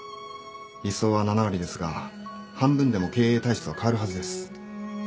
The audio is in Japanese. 理想は７割ですが半分でも経営体質が変わるはずです。